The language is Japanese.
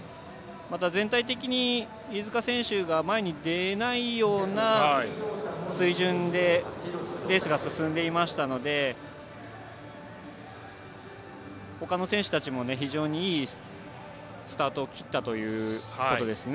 全体的に飯塚選手が前に出ないような水準でレースが進んでいましたのでほかの選手たちも非常にいいスタートを切ったということですね。